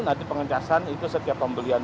nanti pengendasan itu setiap pembelian